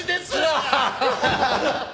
ハハハハ！